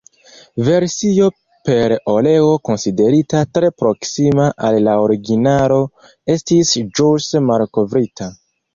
Versio per oleo, konsiderita tre proksima al la originalo, estis ĵus malkovrita.